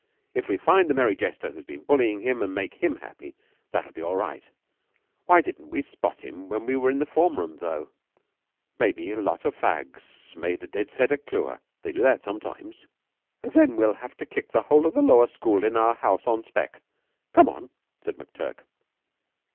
"If we find the merry jester who's been bullyin' him an' make him happy, that'll be all right. Why didn't we spot him when we were in the form rooms, though?" "Maybe a lot of fags have made a dead set at Clewer. They do that sometimes." "Then we'll have to kick the whole of the lower school in our house on spec. Come on," said McTurk.